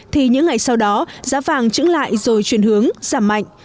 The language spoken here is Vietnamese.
thì những ngày sau đó giá vàng trứng lại rồi chuyển hướng giảm mạnh